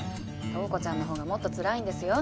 塔子ちゃんのほうがもっとつらいんですよ